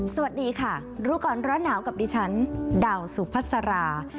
สวัสดีค่ะรู้ก่อนร้อนหนาวกับดิฉันดาวสุพัสรา